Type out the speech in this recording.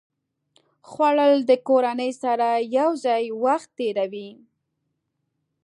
خوړل د کورنۍ سره یو ځای وخت تېروي